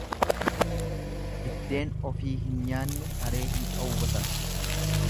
Biddeen ofii hin nyaanne saree hin dhoowwatan.